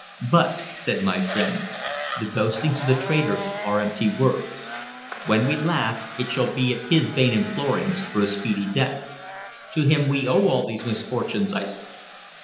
"But," said my friend, "the boastings of the traitor are empty words. When we laugh it shall be at his vain implorings for a speedy death." "To him we owe all these misfortunes," I said.